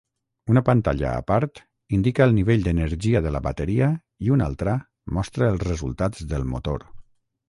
Una pantalla a part indica el nivell d'energia de la bateria i una altra mostra el resultats del motor.